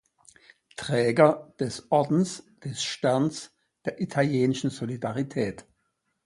Träger des Ordens des Sterns der italienischen Solidarität